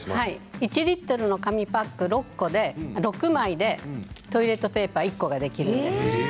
１リットルの紙パック６枚でトイレットペーパー１個ができるんです。